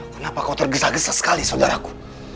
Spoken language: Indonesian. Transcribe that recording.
kenapa kau tergesa gesa sekali saudaraku